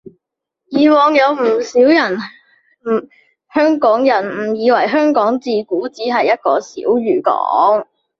以往有唔少香港人誤以為香港自古只係一個小漁港